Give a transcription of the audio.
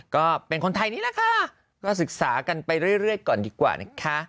ก็เป็นคนไทยนี่แหละค่ะก็ศึกษากันไปเรื่อยก่อนดีกว่านะคะ